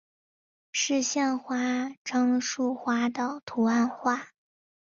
是县花樟树花的图案化。